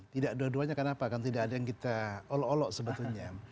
tidak dua duanya kenapa kan tidak ada yang kita olok olok sebetulnya